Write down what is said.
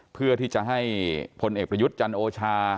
เพื่อที่จะให้พลเอกประยุทธ์จันโอชา